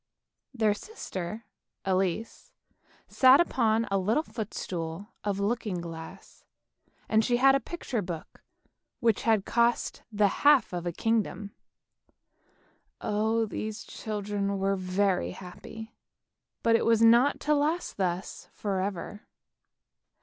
Their sister Elise sat upon a little footstool of looking glass, and she had a picture book which had cost the half of a kingdom. Oh, these children were very happy; but it was not to last thus for ever.